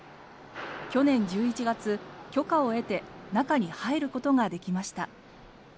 去年１１月、許可を得て中に入ることができました。